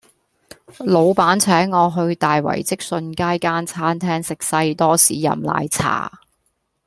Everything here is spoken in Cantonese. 老闆請我去大圍積信街間餐廳食西多士飲奶茶